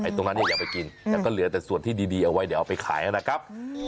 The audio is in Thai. ตรงนั้นอย่าไปกินแต่ก็เหลือแต่ส่วนที่ดีเอาไว้เดี๋ยวเอาไปขายนะครับ